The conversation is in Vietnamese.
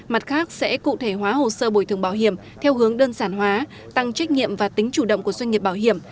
mặt khác sẽ cụ thể hóa hồ sơ bồi thường bảo hiểm theo hướng đơn sản hóa tăng trách nhiệm và tính chủ động của doanh nghiệp bảo hiểm